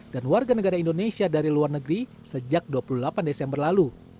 dan warga negara indonesia dari luar negeri sejak dua puluh delapan desember lalu